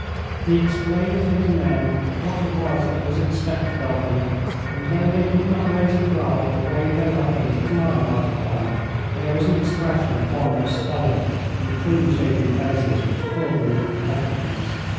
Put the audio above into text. He explained to his men what it was that was expected of them, and though they did not raise a cry or wave their weapons as mine might have done, there was an expression upon their stolid and clean shaven faces which filled me with confidence.